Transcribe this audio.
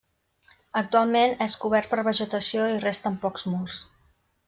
Actualment és cobert per vegetació i resten pocs murs.